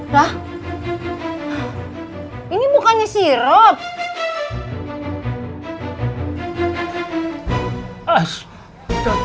tidak ada apa apa